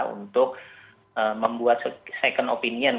untuk membuat second opinion